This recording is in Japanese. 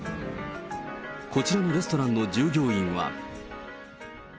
こちらのレストランの従業員は。